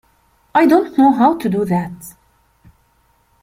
I don't know how to do that.